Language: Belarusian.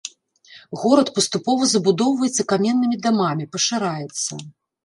Горад паступова забудоўваецца каменнымі дамамі, пашыраецца.